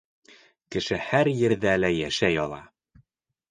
Кеше һәр ерҙә лә йәшәй ала.